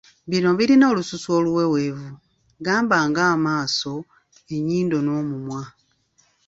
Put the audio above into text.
Bino birina olususu oluweweevu gamba ng’amaaso, ennyindo n’omumwa.